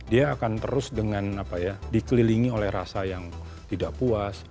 dia akan terus dengan dikelilingi oleh rasa yang tidak puas